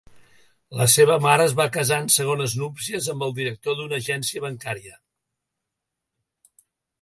La seva mare es va casar en segones núpcies amb el director d'una agència bancària.